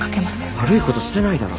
悪いことしてないだろ。